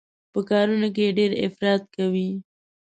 په کارونو کې يې ډېر افراط کوي.